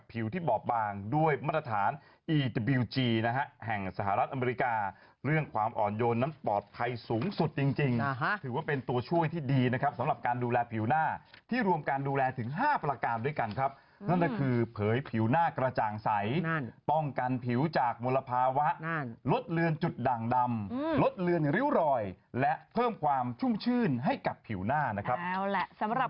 ผมว่าอาจจะเป็นการที่แบบจัดเรียงลำดับการขึ้นร้องหรืออะไรหรือเปล่า